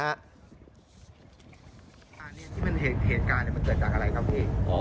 อันนี้ที่เป็นเหตุการณ์มันเกิดจากอะไรครับพี่